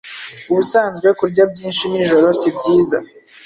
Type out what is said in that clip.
Ubusanzwe kurya byinshi nijoro si byiza.